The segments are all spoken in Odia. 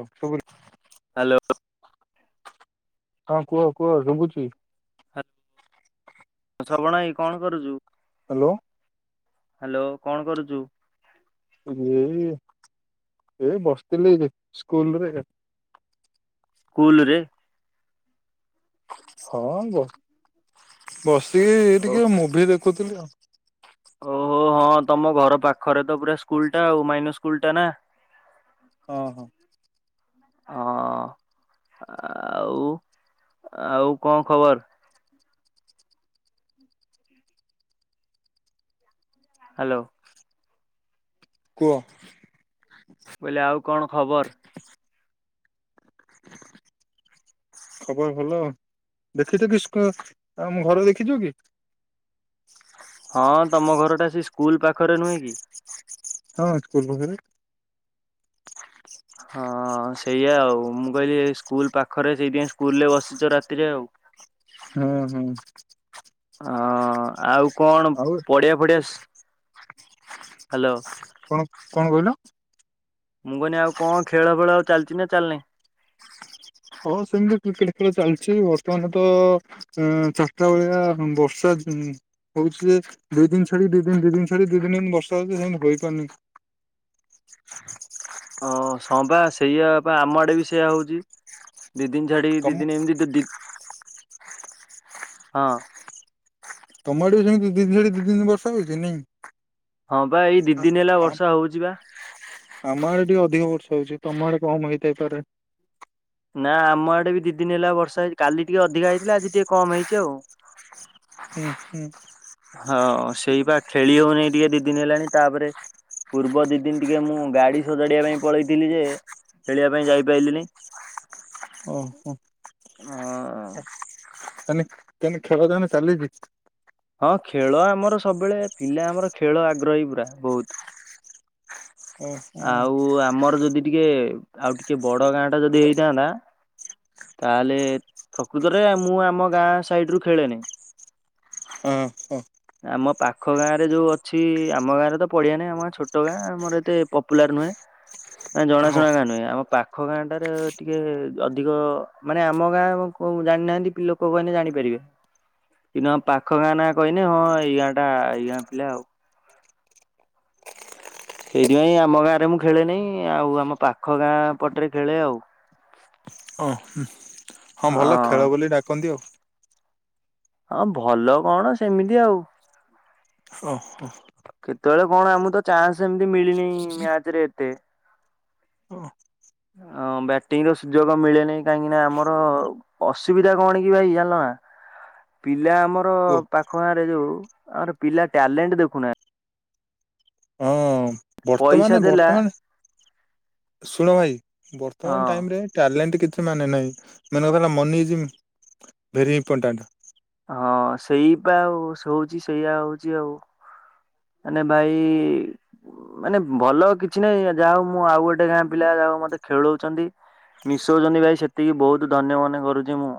ରସଗୋଲା ହାଲୋ ହଁ କୁହ କୁହ ଶୁଭୁଚି ହା ଶ୍ରବଣ ଭାଇ କଣ କରୁଚୁ? ହାଲୋ ହାଲୋ କଣ କରୁଚୁ? ଏଇ ଏଇ ବସିଥିଲି ଏଇଯେ ସ୍କୁଲରେ ସ୍କୁଲରେ ହଁ ବ ବସିକି ଓ ଟିକେ ମୁଭି ଦେଖୁଥିଲି ଆଉ। ଓହୋ ହଁ ତମ ଘର ପାଖରେ ତ ପୁରା ସ୍କୁଲ ଟା ଆଉ ମାଇନର ସ୍କୁଲ ଟା ନା। ହଁ ହଁ ହଁ ଆଆଉ ଆଉ କଁ ଖବର? ହାଲୋ କୁଅ? ମୁଁ କଇଲି ଆଉ କଣ ଖବର? ଖବର ଭଲ ଦେଖିଛ କି ସଖା ଆମ ଘର ଦେଖିଚୁ କି? ହଁ ତମ ଘରଟା ସେ ସ୍କୁଲ ପାଖରେ ନୁହେଁ କି? ହଁ ସ୍କୁଲ ପାଖରେ। ହଁ। ହଁ ସେଇଆ ଆଉ ମୁଁ କହିଲି ସ୍କୁଲ ପାଖରେ ସେଇଥିପାଇଁ ସ୍କୁଲରେ ବସିଛ ରାତିରେ ଆଉ। ହୁଁ ହୁଁ। ହଁ ଆଉ କଣ ଆଉ ପଡିଆ ଫଡିଆ ହ୍ୟାଲୋ। କଣ କଣ କହିଲ? ମୁଁ କହିନି ଆଉ କଣ ଖେଳ ଫେଳ ଚାଲିଚି ନା ଚାଲିନି? ହଁ ସେମିତି କ୍ରିକେଟ ଖେଳ ଚାଲିଛି ବର୍ତ୍ତମାନ ତ ଅ ଚାରିଟା ବେଳିଆ ବର୍ଷା ହଉଛି ଯେ ଦୁଇଦିନି ଛାଡି ଦି ଦିନ ଛାଡି ଦି ଦିନି ବର୍ଷା ହଉଛି ସେମିତି ହେଇପାରୁନି। ଅଁ ହଁ ସେଇଆ ବା ଆମ ଆଡେ ବି ସେଇଆ ହଉଛି। ଦିଦିନି ଛାଡି ତମ ଦିଦନି ଏମିତି ଦି ହଁ ତମ ଆଡେ ସେମିତି ଦିନି ଦିନି ବର୍ଷା ହଉଛ ନାଇଁ। ହଁ ବା ଏଇ ଦି ଆ- ଦିନି ହେଲା ଆ- ବର୍ଷା ହଉଛି ବା ଆମ ଆଡେ ଟିକେ ଅଧିକ ବର୍ଷ ହଉଛି ତମ ଆଡେ କମ ହେଇଥାଇପାରେ। ନା ଆମ ଆଡେ ଦି ଦିନି ହେଲା ବର୍ଷା ହେଇ କାଲି ଟିକେ ଅଧିକା ହେଇଥିଲା। ଆଜି ଟିକେ କମ ହେଇଛି ଆଉ ହୁଁ ହୁଁ। ହଁ ସେଇ ବା ଖେଳି ହଉନି ଟିକେ ଦି ଦିନି ହେଲାଣି ତାପରେ ପୂର୍ବ ଦି ଦିନି ଟିକେ ମୁଁ ଗାଡି ସଜାଡିବା ପାଇଁ ପଳେଇଥିଲି ଯେ ଖେଳିବା ପାଇଁ ଯାଇପାଇଲିିନି। ଓହୋ ହଁ। ତାହେଲେ ଖେଳ ତାହାନେ ଚାଲିଛି। ହଁ ଖେଳ ଆମର ସବୁବେଳେ ପିଲା ଆମର ଖେଳ ଆଗ୍ରହୀ ପୁରା ବହୁତ ହୁଁ। ଆଉ ଆମର ଯଦି ଟିକେ ଆଉ ଟିକେ ବଡ ଗାଁ ଟା ଯଦି ହେଇଥାନ୍ତା। ତାହେଲେ ପ୍ରକୃତରେ ମୁଁ ଆମ ଗାଁ ସାଇଡି ରୁ ଖେଳେନି। ହଁ ହୋ। ଆମ ପାଖ ଗାଁ ରେ ଯୋଉ ଅଛି ଆମ ଗାଁରେ ତ ପଡିଆ ନାହିଁ। ଆମ ଛୋଟ ଗାଁ ଆମର ଏତେ ପପୁଲାର ନୁହେଁ। ନା ଜଣା ହଁ ଶୁଣା ଗାଁ ନୁହେଁ ଆମ ପା ପାଖ ଗାଁ ଟାରେ ଟିକେ ଅଧିକ ମାନେ ଆମ ଗାଁ କାକୁ ଜାଣିନାହାନ୍ତି ପିଲ କୁ କହିଲେ ଜାଣିପାରିବେ କି ନ ପାଖ ଗାଁ ନାଁ କହିଲେ। ହଁ ଏଇ ଗାଁ ଟା ଏଇ ଗାଁ ପିଲା ଆଉ ସେଇଥିପାଇଁ ଆମ ଗାଁରେ ମୁଁ ଖେଳେନାହିଁ ଆଉ ଆମ ପାଖ ଗାଁ ପଟରେ ଖେଳେ ଆଉ ଓ ହଁ ଭଲ ଖେଳ ବୋଲି ଡାକନ୍ତି ଆଉ ହଁ ଭଲ କଣ ସେମିତି ଆଉ। ଓ ହୋ। କେତେବେଳେ କଣ ଆମକୁ ତ ଚାନ୍ସ ଏମିତି ମିଳିନି ମ୍ୟାଚ ରେ ଏତେ। ଓ ହଁ ବ୍ୟାଟିଂ ର ସୁଯୋଗ ମିଳେନାହିଁ କାହିଁକି ନା ଆମର ଅସୁବିଧା କଣ କି ଭାଇ ଜାଣିଲନା? ପିଲା ଆମର କୁହ ପାଖ ଗାଁ ରେ ଯୋଉ ଆମର ପିଲା ଟ୍ୟାଲେଣ୍ଟ ଦେଖୁନାହାନ୍ତି। ହଁ। ପଇସା ବର୍ତ୍ତମାନେ ଦେଲା ବର୍ତ୍ତମାନେ ଶୁଣ ଭାଇ ବର୍ତ୍ତମାନ ହଁ ଟାଇମ୍ ରେ ଟ୍ୟାଲେଣ୍ଟ କିଛି ମାନେ ନାହିଁ ମେନେକର ମନି ଇଜ୍ ଭେରି ଇମ୍ପୋର୍ଟାଣ୍ଟ। ହଁ ସେଇପା ଆଉ ଶୁଣୁଚି ସେଇଆ ହଉଛି ଆଉ। ମାନେ ଭାଇ ମାନେ ଭଲ କିଛି ନାହିଁ ଯାହା ହଉ ମୁଁ ଆଉ ଗୋଟେ ଗାଁ ପିଲା ଯାହା ମତେ ଖେଳଉଚନ୍ତି ମିଶଉଚନ୍ତି ଭାଇ ସେତିକି ବହୁତ୍ ଧନ୍ୟ ମନେ କରୁଛି ମୁଁ।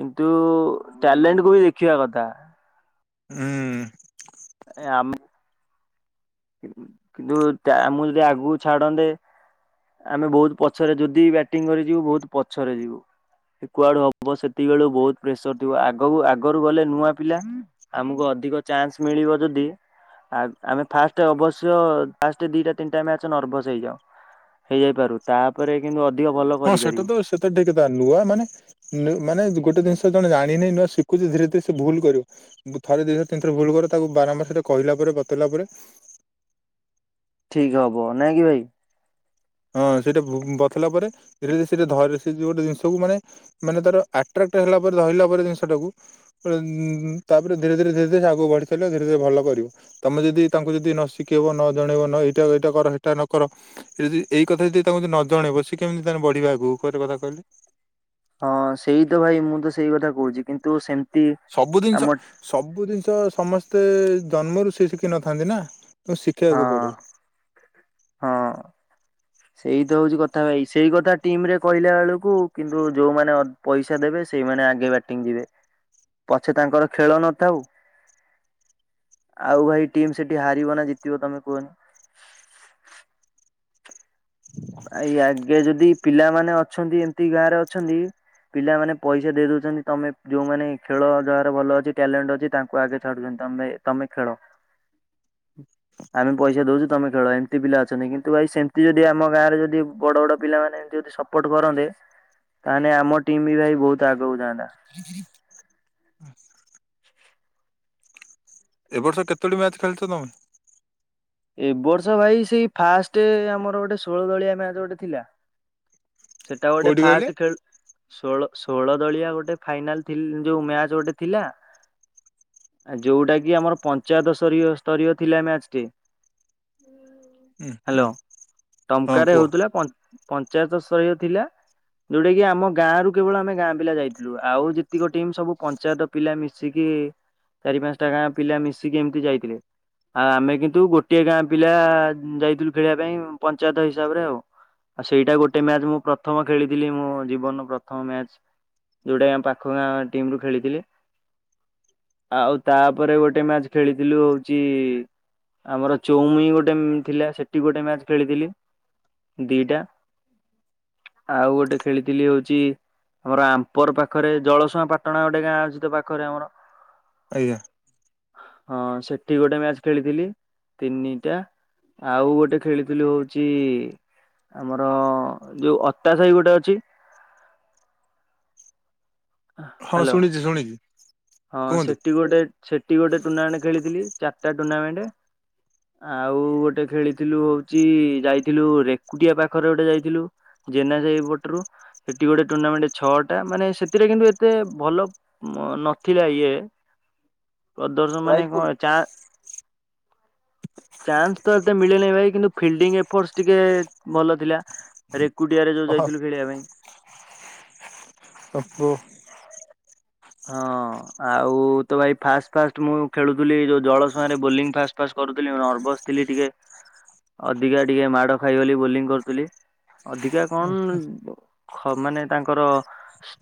କିନ୍ତୁ ଟ୍ୟାଲେଣ୍ଟ୍ କୁ ବି ଦେଖିବା କଥା। ଉଁ। ଭାଇ ଆମେ କିନ୍ତୁ ଟା ମୁଁ ଯଦି ଆଗକୁ ଛାଡନ୍ତେ ଆମେ ବହୁତ୍ ପଛରେ ଯଦି ବ୍ୟାଟିଂ କରିଯିବୁ ବହୁତ୍ ପଛରେ ଯିବୁ। ସେ କୁଆଡୁ ହବ ସେତିକି ବେଳୁ ବହୁତ୍ ପ୍ରେସର୍ ଥିବ ଆଗକୁ ଆଗରୁ ଗଲେ ନୂଆ ପିଲା। ଆମକୁ ଅଧିକ ଚାନ୍ସ୍ ମିଳିବ ଯଦି ଆଗ୍ ଆମେ ଫାଷ୍ଟେ ଅବଶ୍ୟ ଫାଷ୍ଟେ ଦିଟା ତିନ୍ଟା ମ୍ୟାଚ ନର୍ଭସ୍ ହେଇଯାଉ ହେଇଯାଇପାରୁ ତାପରେ କିନ୍ତୁ ଅଧିକ ଭଲ ହଁ କରିପାରିବୁ। [unintelligible] ମାନେ ନୁ ମାନେ ଗୋଟେ ଜିନ୍ଷ ଜଣେ ଜାଣିନି ନୂଆ ଶିଖୁଛି ଧୀରେ ଧୀରେ ସେ ଭୁଲ୍ କରିବ ଥରେ ଦିଥର ତିନ୍ ଥର ଭୁଲ୍ କରିବ ତାକୁ ବାରମ୍ବାର୍ ସେଟା କହିଲା ପରେ ବତେଇଲା ପରେ ଠିକ୍ ହବ ନାଇଁକି ଭାଇ? ହଁ ସେଇଟା ବୁ ବତେଇଲା ପରେ ଧୀରେ ଧୀରେ ସେରେ ଧରିବ ସେ ଯଦି ଗୋଟେ ଜିନ୍ଷକୁ ମାନେ ମାନେ ତାର ଆଟ୍ରାକ୍ଟ୍ ହେଲା ପରେ ଧଇଲା ପରେ ଜିନ୍ଷଟାକୁ [unintelligible] ତାପରେ ଧୀରେ ଧୀରେ ଆଗକୁ ସିଏ ବଢ଼ି ଚାଲିବ ଧୀରେ ଧୀରେ ଭଲ କରିବ। ତମେ ଯଦି ତାଙ୍କୁ ଯଦି ନ ଶିଖେଇବ ନ ଜଣେଇବ ନ ଏଇଟା ଏଇଟା କର ହେଟା ନ କର ଏଇ ଯଦି ଏଇ କଥା ଯଦି ତାଙ୍କୁ ଯଦି ନ ଜଣେଇବ ସିଏ କେମିତି ତା ହେଲେ ବଢ଼ିବେ ଆଗକୁ ଗୋଟେ କଥା କହିଲୁ? ହଁ ସେଇ ତ ଭାଇ ମୁତ ସେଇ କଥା କହୁଛି କିନ୍ତୁ ସେମ୍ ସବୁ ଜିନ୍ଷ ସବୁ ଜିନ୍ଷ ସମସ୍ତେ ଜନ୍ମରୁ ସିଏ ଶିଖିନଥାନ୍ତି ନା ତ ଶିଖେଇବାକୁ ପଡ଼େ। ହଁ। ସେଇ ତ ହଉଛି କଥା ଭାଇ ସେଇ କଥା ଟିମ୍ ରେ କହିଲା ବେଳକୁ କିନ୍ତୁ ଯୋଉମାନେ ଅ ପଇସା ଦେବେ ସେଇମାନେ ଆଗେ ବ୍ୟାଟିଙ୍ଗ୍ ଯିବେ ପଛେ ତାଙ୍କର ଖେଳ ନଥାଉ। ଆଉ ଭାଇ ଟିମ୍ ସେଠି ହାରିବ ନା ଜିତିବ ତମେ କୁହନି? ଭାଇ ଆଗେ ଯଦି ପିଲାମାନେ ଅଛନ୍ତି ଏମ୍ତି ଗାଁ ରେ ଅଛନ୍ତି ପିଲାମାନେ ପଇସା ଦେଇ ଦଉଛନ୍ତି ତମେ ଯୋଉମାନେ ଖେଳ ଯାହାର ଭଲ ଅଛି ଟ୍ୟାଲେଣ୍ଟ୍ ଅଛି ତାଙ୍କୁ ଆଗେ ଛାଡୁଛନ୍ତି ତମେ ଭାଇ ତମେ ଖେଳ। [inaudible] ଆମେ ପଇସା ଦଉଛୁ ତମେ ଖେଳ ଏମ୍ତି ପିଲା ଅଛନ୍ତି କିନ୍ତୁ ଭାଇ ସେମ୍ତି ଯଦି ଆମ ଗାଁରେ ଯଦି ବଡ଼ ବଡ଼ ପିଲାମାନେ ଏମ୍ତି ଯଦି ସପୋଟ୍ କରନ୍ତେ ତାହେଲେ ଆମ ଟିମ୍ ବି ଭାଇ ବହୁତୁ ଆଗକୁ ଯାଆନ୍ତା। [inaudible] [inaudible] ଏ ବର୍ଷ କେତୋଟି ମ୍ୟାଚ୍ ଖେଳ୍ଚ ତମେ? ଏ ବର୍ଷ ଭାଇ ସେଇ ଫାଷ୍ଟେ ଆମର୍ ଗୋଟେ ଷୋଳ ଦଳିଆ ମ୍ୟାଚ୍ ଗୋଟେ ଥିଲା ସେଟା ଗୋଟେ କୋଉଠି କହିଲେ ଫାଷ୍ଟେ ଖେଳୁ ଷୋଳ ଷୋଳ ଦଳିଆ ଗୋଟେ ଫାଇନାଲ୍ ଥିଲ୍ ଯୋଉ ମ୍ୟାଚେ ଗୋଟେ ଥିଲା ଆ ଯୋଉଟା କି ଆମର ପଞ୍ଚାୟତ ସରିଅ ସ୍ତରୀୟ ଥିଲା ମ୍ୟାଚ୍ ଟେ ହୁଁ ହାଲୋ ହୁଁ ହଁ ଟମ୍କାରେ କୁହ ହଉଥିଲା ପଞ୍ଚ୍ ପଞ୍ଚାୟତ ସ୍ତରୀୟ ଥିଲା ଯଉଟା କି ଆମ ଗାଁ ରୁ କେବଳ ଆମେ ଗାଁ ପିଲା ଯାଇଥିଲୁ ଆଉ ଯେତିକି ଟିମ୍ ସବୁ ପଞ୍ଚାୟତ ପିଲା ମିଶିକି ଚାରି ପାଞ୍ଚ୍ ଟା ଗାଁ ପିଲା ମିଶିକି ଏମିତି ଯାଇଥିଲେ ଆଉ ଆମେ କିନ୍ତୁ ଗୋ ଗୋଟିଏ ଗାଁ ପିଲା ଯାଇଥିଲୁ ଖେଳିବା ପାଇଁ ପଞ୍ଚାୟତ ହିସାବରେ ଆଉ। ଆଉ ସେଇଟା ଗୋଟେ ମ୍ୟାଚ୍ ମୁଁ ପ୍ରଥମ ଖେଳିଥିଲି ମୋ ଜୀବନର ପ୍ରଥମ ମ୍ୟାଚ୍। ଯୋଉଟା ଆମ୍ ପାଖ ଗାଁ ଟିମ ରୁ ଖେଳିଥିଲି। ଆଉ ତାପରେ ଗୋଟେ ମ୍ୟାଚ ଖେଳିଥିଲୁ ହୋଚି ଆମର ଚୁମୁଇଁ ଗୋଟେ ଥିଲା ସେଠି ଗୋଟେ ମ୍ୟାଚ୍ ଖେଳିଥିଲି ଦିଟା ଆଉ ଗୋଟେ ଖେଳିଥିଲି ହୋଉଛି ଆମର ଆମ୍ପର ପାଖରେ ଜଳସୁଆଁ ପାଟଣା ଗୋଟେ ଗାଁ ଅଛି ତ ପାଖରେ ଆମର ଆଜ୍ଞା। ହଁ ସେଠି ଗୋଟେ ମ୍ୟାଚ ଖେଳିଥିଲି। ତିନିଟା ଆଉ ଗୋଟେ ଖେଳିଥିଲୁ ହୋଉଚି ଆମର ଯୋଉ ଅତା ସାଇ ଗୋଟେ ଅଛି ହଁ ହ୍ୟାଲୋ ଶୁଣିଛି ଶୁଣିଛି ହଁ କୁହନ୍ତୁ। ସେଠି ଗୋଟେ ସେଠି ଗୋଟେ ଟୁର୍ଣ୍ଣାମେଣ୍ଟ ଖେଳିଥିଲି ଚାରିଟା ଟୁର୍ଣ୍ଣାମେଣ୍ଟ ଆଉ ଗୋଟେ ଖେଳିଥିଲୁ ହଉଛି ଯାଇଥିଲୁ ରେକୁଟିଆ ପାଖରେ ଗୋଟେ ଯାଇଥିଲୁ ଜେନା ସାଇ ପଟରୁ ସେଠି ଗୋଟେ ଟୁର୍ଣ୍ଣାମେଣ୍ଟ ଛଅଟା ମାନେ ସେଥିରେ କିନ୍ତୁ ଏତେ ଭଲ ନ ଉଥିଲା ଇଏ ପ୍ରଦର୍ଶକ ପ୍ରାଇଜ୍ ମାନେ ଫୁଲ୍ କଣ ଚା [inaudible] ଚାନ୍ସ ତ ଏତେ ମିଳେନେହିଁ ଭାଇ କିନ୍ତୁ ଫିଲ୍ଡିଙ୍ଗ ଏଫର୍ ଟିକେ ଭଲ ଥିଲା ରେକୁଡିଆରେ ଯୋଉ ହଁ ଯାଇଥିଲୁ ଖେଳିବା ପାଇଁ। [unintelligible] ହଁ ଆଉ ତ ଭାଇ ଫାଷ୍ଟ ଫାଷ୍ଟ ମୁଁ ଖେଳୁଥିଲି ଯୋଉ ଜଳ ସୁଁଆରେ ବୋଲିଂ ଫାଷ୍ଟ ଫାସେ କରୁଥିଲି ମୁ ନର୍ଭସ ଥିଲି ଟିକେ ଅଧିକା ଟିକେ ମାଡ ଖାଇଗଲି ବୋଲିଂ କରୁଥିଲି। ଅଧିକା କନ୍ ଜିବ। ଖ ମାନେ ତାଙ୍କର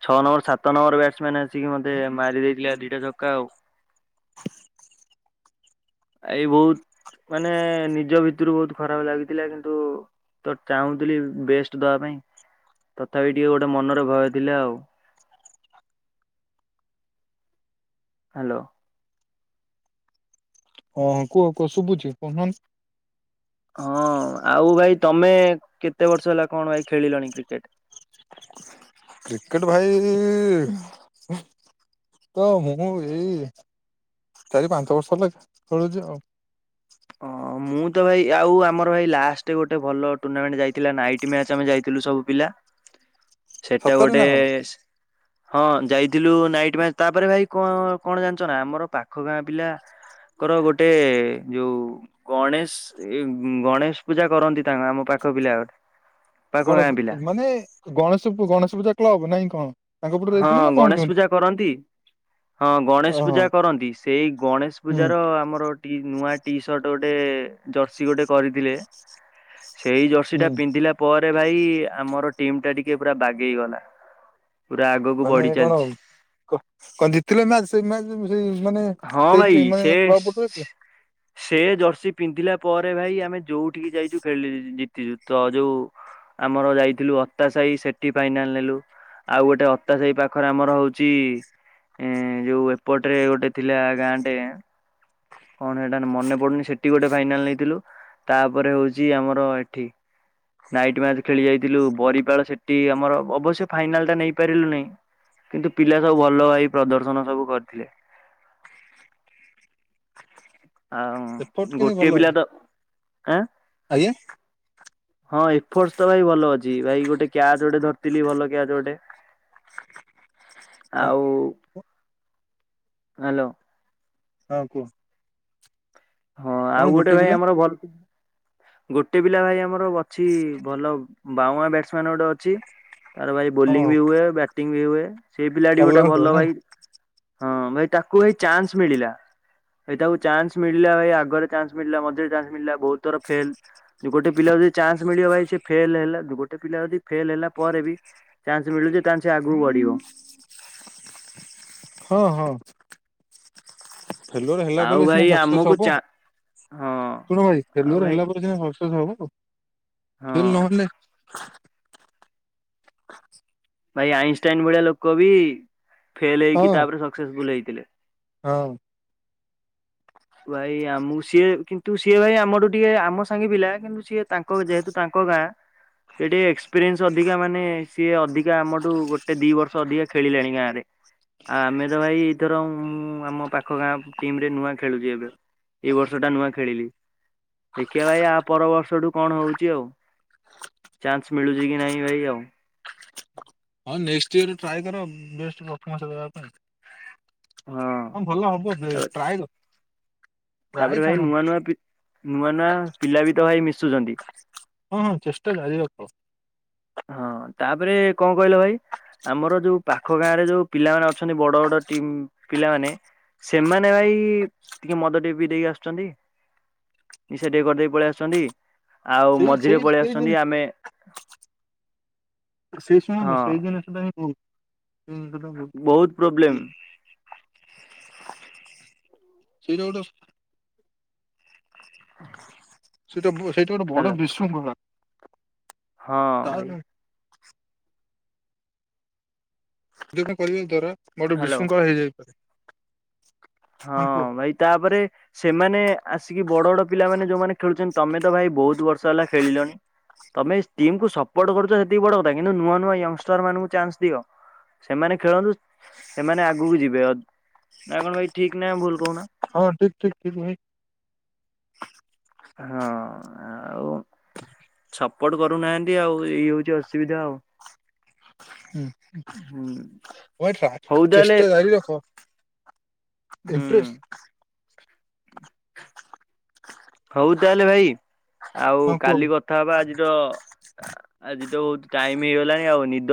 ଛଅ ନମ୍ବର ସାତ ନମ୍ବର ବ୍ୟାଟ୍ସମ୍ୟାନ୍ ଟିକେ ମତେ ମାରି ଦେଇଥିଲା ଦିଟା ଛକା ଆଉ [inaudible] ଏଇ ବୋହୁତ ମାନେ ନିଜ ଭିତୁରୁ ବୋହୁତ ଖରାପ ଲାଗିଥିଲା କିନ୍ତୁ ତ ଚାହୁଁଥିଲି ବେଷ୍ଟେ ଦବା ପାଇଁ ତଥାପି ଟିକେ ଗୋଟେ ମନରେ ଭୟ ଥିଲା ଆଉ। ହ୍ୟାଲୋ। ହଁ କୁହ କୁହ ଶୁବୁଚି ହଁ ଆଉ ଭାଇ ତମେ କେତେ ବର୍ଷ ହେଲା କଣ ଭାଇ ଖେଳିଲଣି କ୍ରିକେଟ। କ୍ରିକେଟ ଭାଇ ତ ମୁଁ ଏଇ ଚାରି ପାଞ୍ଚ ବର୍ଷ ହେଲା ଖେଳୁଚି ଆଉ। ହ ହ ମୁଁ ତ ଭାଇ ଆଉ ଆମର ଭାଇ ଲାଷ୍ଟେ ଗୋଟେ ଭଲ ଟୁର୍ଣ୍ଣାମେଣ୍ଟ ଯାଇଥିଲା ନାଇଟ୍ ମ୍ୟାଚ ଆମେ ଯାଇଥିଲୁ ସବୁ ପିଲା। [inaudible] ସେଟା ସତରେ ଗୋଟେ ନା କଣ ସି ହଁ ଯାଇଥିଲୁ ନାଇଟ୍ ମ୍ୟାଚ୍ ତାପରେ ଭାଇ କଣ କଣ ଜାଣିଚ ନା ଆମର ପାଖ ଗାଁ ପିଲା ଙ୍କର ଗୋଟେ ଯୋଉ ଗଣେଶ୍ ଏ ଗଣେଶ ପୂଜା କରନ୍ତି ତାଙ୍କ ଆମ ପାଖ ପିଲା ଗୋଟେ ପାଖ କଣ ଗାଁ ପିଲା ମାନେ ଗଣେଶେ କୁ ଗଣେଶେ ପୂଜା କ୍ଲବ ନାଇଁ କଣ ତାଙ୍କ ପଟୁ ହଁ ଯାଇଥିଲି ନା କଣ ଗଣେଶ୍ କେମିତି ପୂଜା କରନ୍ତି। ହଁ ଗଣେଶେ ଓହୋ ପୂଜା କରନ୍ତି ସେଇ ଗଣେଶ୍ ହୁଁ ପୂଜାର ଆମର ଟି ନୂଆ ଟି ସର୍ଟ ଗୋଟେ ଜର୍ସି ଗୋଟେ କରିଥିଲେ। ସେଇ ଜର୍ସି ଟା ହୁଁ ପିନ୍ଧିଲା ପରେ ଭାଇ ଆମର ଟିମ୍ ଟା ଟିକେ ପୁରା ବାଗେଇ ଗଲା। ସବୁ ମାନେ ବଢି କଣ ଚାଲିଛି। କଣ ଜିତଲ ନାଁ ସେଇ ମ୍ୟାଚ୍ ସେଇ ମାନେ ହଁ ସେଇ ଭାଇ ଟିମ୍ କ୍ଳବ ପଟୁ ସେ ଆସିଥିଲା? ସେ ଜର୍ସି ପିନ୍ଧିଲା ପରେ ଭାଇ ଆମେ ଯୋଉଠିକି ଯାଇଛୁ ଖେଳି ଜିତିଛୁ। ତ ଯୋଉ ଆମର ଯାଇଥିଲୁ ଅତା ସାହି ସେଠି ଫାଇନାଲ୍ ନେଲୁ। ଆଉ ଗୋଟେ ଅତା ସେଇ ପାଖରେ ଆମର ହଉଛି ଏଁ ଯୋଉ ଏପଟ ରେ ଗୋଟେ ଥିଲା ଗାଁଟେ କଣ ସେଇଟା ମନେ ପଡୁନି ସେଠି ଗୋଟେ ଫାଇନାଲ ନେଇଥିଲୁ। ତାପରେ ହଉଛି ଆମର ଏଠି ନାଇଟ୍ ମ୍ୟାଚ୍ ଖେଳି ଯାଇଥିଲୁ ବରିପାଳ ସେଠି ଆମର ଅବଶ୍ୟ ଫାଇନାଲ ଟା ନେଇପାରିଲୁ ନାହିଁ। କିନ୍ତୁ ପିଲା ସବୁ ଭଲ ଭାଇ ପ୍ରଦର୍ଶନ ସବୁ କରିଥିଲେ। ଏପଟ ଆଉ କିନ୍ତୁ ଗୋଟିଏ ଭଲ ପିଲା ଅଛି ତ ଆଁ? ଆଜ୍ଞା। ହଁ ଏଫୋର୍ଟସ ତ ଭାଇ ଭଲ ଅଛି ଭାଇ ଗୋଟେ କ୍ୟାଚ ଗୋଟେ ଧରିଥିଲି ଭଲ କ୍ୟାଚ ଗୋଟେ। ଆଉ ହ୍ୟାଲୋ। ହଁ କୁହ? ହଁ କଣ ଆଉ ଗୋଟେ ଭାଇ ପିଲା ଆମର ଭଲ ଗୋଟେ ପିଲା ଭାଇ ଆମର ଅଛି ଭଲ ବାଉଆ ବ୍ୟାଟସମ୍ୟାନ ଗୋଟେ ଅଛି। ତାର ଭାଇ ହଁ ବୋଲିଂ ବି ହୁଏ। ବ୍ୟାଟିଙ୍ଗ ବି ହୁଏ। ସେଇ ପିଲାଟି ଗୋଟେ ଅଲରାଉଣ୍ଡର ଭଲ ନାଇଁ ଭାଇ ହଁ ଭାଇ ତାକୁ ଏଇ ଚାନ୍ସ ମିଳିଲା। ଏ ତାକୁ ଚାନ୍ସ ମି ପିଲା ଭାଇ ଆଗରେ ଚାନ୍ସ ମିଳିଲା, ମତେବି ଚାନ୍ସ ମିଳିଲା ବହୁତ ଥର ଫେଲ ଗୋଟେ ପିଲା ଯଦି ଚାନ୍ସ ମିଳିବ ଭାଇ ସେ ଫେଲ ହେଲା। ଗୋଟେ ପିଲା ଯଦି ଫେଲ ହେଲା ପରେ ବି ଚାନ୍ସ ମିଳୁଛି ତାହାଲେ ସିଏ ଆଗକୁ ବଢିବ। ହଁ ହଁ। ଫେଲୁଅର୍ ହେଲା ବୋଲି ଆଉ ସିନା ଭାଇ ସକ୍ସେସ୍ ଆମକୁ ହବ। ଚା ହଁ ଶୁଣ ଭାଇ ଆଉ ଫେଲର ଭାଇ ହେଲା ପରେ ସିନା ସକ୍ସେସ ହବ, ହଁ ଫେଲ ନହେଲେ ଭାଇ ଆଇନଷ୍ଟାଇନ ଭଳିଆ ଲୋକ ବି ଫେଲ ହଁ ହେଇକି ତାପରେ ସକ୍ସେସଫୁଲ ହେଇଥିଲେ। ହଁ। ଭାଇ ଆମ ସିଏ କିନ୍ତୁ ସିଏ ଭାଇ ଆମରୁ ଟିକେ ଆମ ସାଙ୍ଗେ ପିଲା କିନ୍ତୁ ସିଏ ତାଙ୍କ ଯେହେତୁ ତାଙ୍କ ଗାଁ ସେ ଟିକେ ଏକ୍ସପିରିଏନ୍ସ ଅଧିକା ମାନେ ସିଏ ଅଧି କା ଆମଠୁ ଗୋଟେ ଦି ବର୍ଷ ଅଧିକା ଖେଳିଲାଣି ଗାଁରେ। ଆ ଆମେ ତ ଭାଇ ଏଇଥର ମୁଁ ଆମ ପାଖ ଗାଁ ଟିମ ରେ ନୂଆ ଖେଳୁଛି ଏବେ। ଏଇ ବର୍ଷ ଟା ନୂଆ ଖେଳିଲି। ଦେଖିବା ଭାଇ ଆ ପର ବର୍ଷଠୁ କଣ ହଉଛି ଆଉ। ଚାନ୍ସ ମିଳୁଛି କି ନାହିଁ ଭାଇ ଆଉ। ହଁ ନେଷ୍ଟେ ଇୟରରେ ଟ୍ରାଏ କର ବେଷ୍ଟ ଫ୍ରପମାନ୍ସ ଦେବା ପାଇଁ। ହଁ ଭଲ ହବ ବ ତାପରେ ଟ୍ରାଏ କର। ଟ୍ରାଏ ତାପରେ ଭାଇ ଛାଡନି ନୂଆ ନୂଆ ନୂଆ ନୂଆ ପିଲା ବି ତ ଭାଇ ମିଶୁଛନ୍ତି। ହଁ ହଁ ଚେଷ୍ଟା ଜାରି ରଖ। ହଁ ତାପରେ କଣ କହିଲ ଭାଇ ଆମର ଯୋଉ ପାଖ ଗାଁ ରେ ଯୋଉ ପିଲାମାନେ ଅଛନ୍ତି ବଡ ବଡ ଟିମ୍ ପିଲାମାନେ ସେମାନେ ଭାଇ ଟିକେ ମଦ ଟିକେ ପିଇ ଦେଇକି ଆସୁଛନ୍ତି। ନିଶା ଟିକେ କରିଦେଇକି ପଳେଇ ଆସୁଛନ୍ତି ଆଉ ସେଇ ସେଇ ମଝିରେ ପଳେଇ ସେଇ ଜିନି ଆସୁଛନ୍ତି ଆମେ ସେ ହଁ ଶୁଣନ୍ତୁ ସେ ଜିନିଷ ଟା ଭୁଲ୍ ସେ ଜିନିଷ ଟା ବହୁତ ପ୍ରୋବ୍ଲେମ ଭୁଲ୍। ସେଇଟା ଗୋଟେ ସେଇଟା ସେଇଟା ଗୋଟେ ବଡ ହ୍ୟାଲୋ ବିଶୃଙ୍ଖଳା। ହଁ ତା ଭାଇ। ଯୋଉଟା କରିବା ଦ୍ଵାରା ବଡ ହ୍ୟାଲୋ ବିଶୃଙ୍ଖଳା ହେଇଯାଇପାରେ। ହଁ ଭାଇ ତାପରେ। ସେମାନେ ଆସିକି ବଡ ବଡ ପିଲାମାନୋନେ ଯୋଉମାନେ ଖେଳୁଛନ୍ତି ତମେ ତ ଭାଇ ବହୁତ ବର୍ଷ ହେଲା ଖେଳିଲଣି। ତମେ ଟିମ ସପୋର୍ଟ କରୁଛ ସେତିକି ବଡ କଥା କିନ୍ତୁ ନୂଆ ନୂଆ ୟଙ୍ଗଷ୍ଟର ମାନଙ୍କୁ ଚାନ୍ସ ଦିଅ। ସେମାନେ ଖେଳନ୍ତୁ ସେମାନେ ଆଗକୁ ଯିବେ ନା କଣ ଭାଇ ଠିକ ନା ଭୁଲ କହ ହଁ ଠିକ ଠିକ ଠିକ ଭାଇ। ହଁ ଆଉ। ସପୋର୍ଟ କରୁନାହାନ୍ତି ଆଉ ଏଇ ହଉଛି ଅସୁବିଧା ଆଉ। ହୁଁ ହଁ ହଉ ତାହେଲେ ଚେଷ୍ଟା ଜାରି ରଖ। ହୁଁ ଇମ୍ପ୍ରେସ। ହଉ ତାହେଲେ ଭାଇ ଆଉ ହଁ କୁହ ଭାଇ। କାଲି କଥା କଥା ହବା ଆଜି ତ ଆଜି ତ ବହୁତ ଟାଇମ ହେଇଗଲାଣି ଆଉ ନିଦ